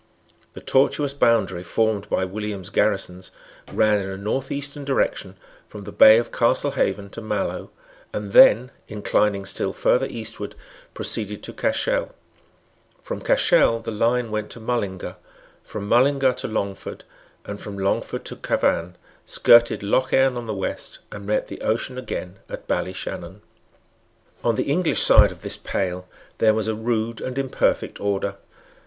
The tortuous boundary formed by William's garrisons ran in a north eastern direction from the bay of Castlehaven to Mallow, and then, inclining still further eastward, proceeded to Cashel. From Cashel the line went to Mullingar, from Mullingar to Longford, and from Longford to Cavan, skirted Lough Erne on the west, and met the ocean again at Ballyshannon. On the English side of this pale there was a rude and imperfect order.